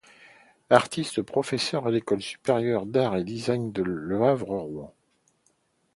Artiste, professeur à l’École supérieure d'art et design Le Havre-Rouen.